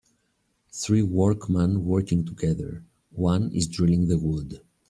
three workman working together, one is drilling the wood